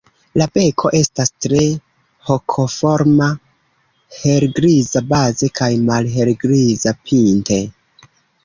La beko estas tre hokoforma, helgriza baze kaj malhelgriza pinte.